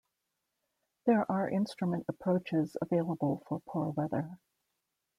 There are instrument approaches available for poor weather.